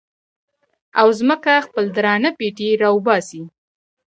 او ځمکه خپل درانه پېټي را وباسي